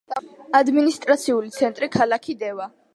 ადმინისტრაციული ცენტრი ქალაქი დევა.